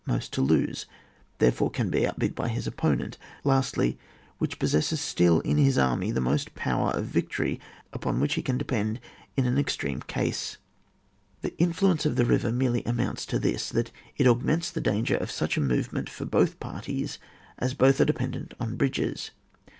most to lose, therefore can be outbid by his opponent ; lastly, which possesses still in Ms army the most Sower of victory upon which he can epend in an extreme case. The influence of the river merely amounts to this, that it augments the danger of such a move ment for both parties, as both are depen dent on bridges.